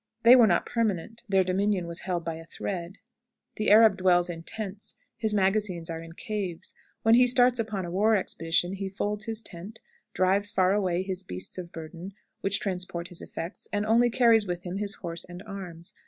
They were not permanent; their dominion was held by a thread. The Arab dwells in tents; his magazines are in caves. When he starts upon a war expedition, he folds his tent, drives far away his beasts of burden, which transport his effects, and only carries with him his horse and arms.